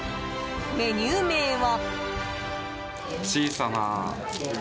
メニュー名は。